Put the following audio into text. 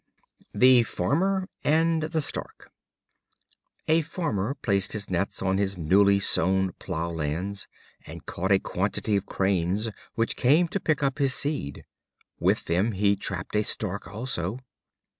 The Farmer and the Stork. A Farmer placed his nets on his newly sown plough lands, and caught a quantity of Cranes, which came to pick up his seed. With them he trapped a Stork also.